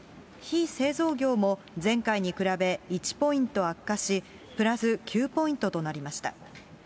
非製造業も前回に比べ１ポイント悪化し、プラス９ポイントとなりました。